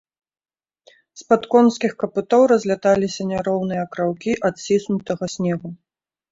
З-пад конскіх капытоў разляталіся няроўныя акраўкі адціснутага снегу.